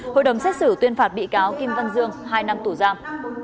hội đồng xét xử tuyên phạt bị cáo kim văn dương hai năm tù giam